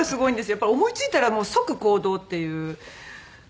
やっぱり思いついたら即行動っていうそのひらめきが。